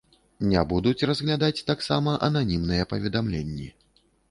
Не будуць разглядаць таксама ананімныя паведамленні.